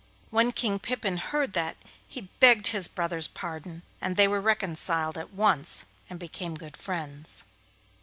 When King Pippin heard that he begged his brother's pardon, and they were reconciled at once and became good friends.